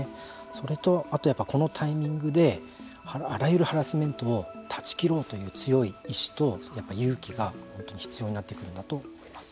それと、このタイミングであらゆるハラスメントを断ち切ろうという強い意思と勇気が必要になってくるんだと思います。